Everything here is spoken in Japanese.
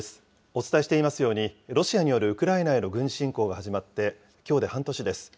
お伝えしていますように、ロシアによるウクライナへの軍事侵攻が始まってきょうで半年です。